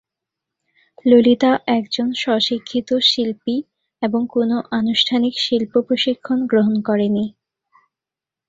ললিতা একজন স্ব-শিক্ষিত শিল্পী এবং কোনও আনুষ্ঠানিক শিল্প প্রশিক্ষণ গ্রহণ করেনি।